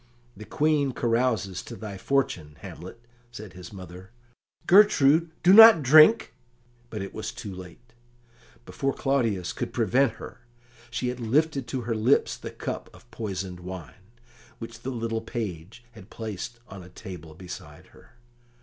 "The Queen carouses to thy fortune, Hamlet," said his mother. "Gertrude, do not drink," said the King, but it was too late; before Claudius could prevent her, she had lifted to her lips the cup of poisoned wine, which the little page had placed on a table beside her.